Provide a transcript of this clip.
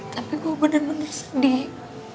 tapi gue bener bener sedih